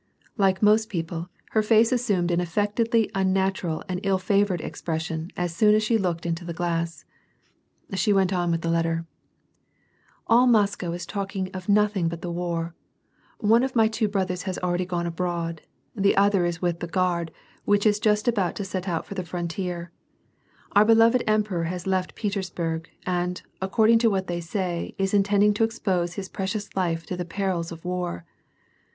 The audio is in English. Like most people, her * The letters in this chapter are in Frenoh in the orig:inal. WAR AND PEACE. 107 face assumed an affectedly unnatural and ill favored e^cpres sion as soon as she looked into the glass. She went on with the letter, —" All Moscow is talking of nothing but the war. One of my two brothers has already gone abroad ; the other is with the Guard, which is just about to set out for the frontier. Our be lo7ed emperor has left Petersburg, and, according to what they say is intending to expose his precious life to the perils of war.